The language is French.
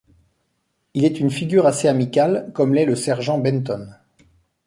Il est une figure assez amicale comme l'est le Sergent Benton.